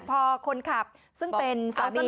พอคนขับซึ่งเป็นสามี